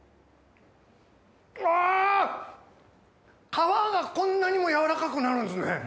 皮がこんなにも軟らかくなるんですね。